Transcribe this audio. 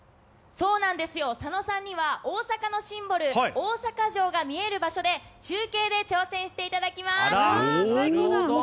そうなんですよ、佐野さんには大阪のシンボル・大阪城が見える場所で、中継で挑戦していただきます。